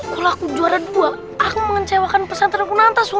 kalau aku juara dua aku mengecewakan pesantrenku nanti sun